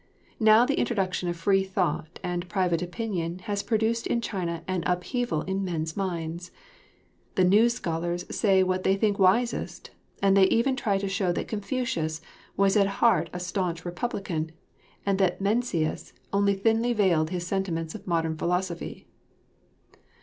Now the introduction of free thought and private opinion has produced in China an upheaval in men's minds. The new scholars may say what they think wisest, and they even try to show that Confucius was at heart a staunch republican, and that Mencius only thinly veiled his sentiments of modern philosophy.